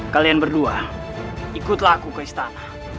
kalian berdua ikutlah aku ke istana